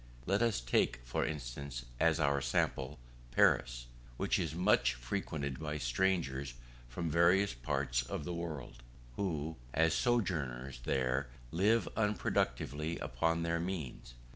Let us take, for instance, as our example, Paris, which is much frequented by strangers from various parts of the world, who, as sojourners there, live unproductively upon their means.